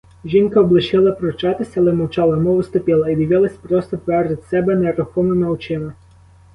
Жінка облишила пручатись, але мовчала, мов остовпіла, і дивилась просто перед себе нерухомими очима.